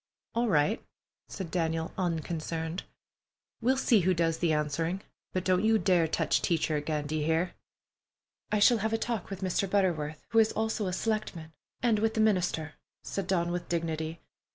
"All right," said Daniel, unconcerned. "We'll see who does the answering, but don't you dare touch Teacher again, d'ye hear?" "I shall have a talk with Mr. Butterworth, who is also a selectman, and with the minister," said Dawn, with dignity.